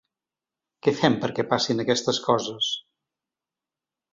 Què fem perquè passin aquestes coses?